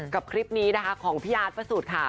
กับคลิปนี้นะคะของพี่อาร์ดพระสูรค่ะ